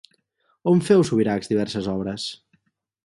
On feu Subirachs diverses obres?